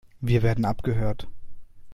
Wir werden abgehört.